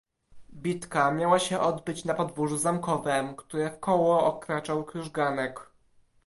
"Bitka miała się odbyć na podwórzu zamkowem, które w koło otaczał krużganek."